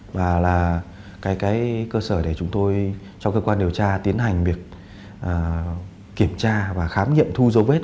và là cái cơ sở để chúng tôi cho cơ quan điều tra tiến hành việc kiểm tra và khám nghiệm thu dấu vết